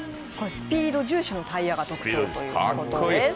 スピード重視のタイヤが特徴だということです。